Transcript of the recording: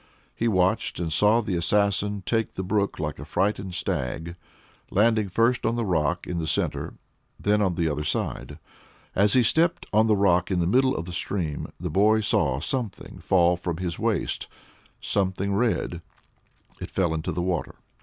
He watched, and saw the assassin take the brook like a frightened stag, landing first on the rock in the centre, then on the other side. As he stepped on the rock in the middle of the stream, the boy saw something fall from his waist something red. It fell into the water.